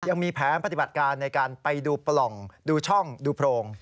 ยังมีแผนปฏิบัติการในการไปดูปล่องดูช่องดูโพรง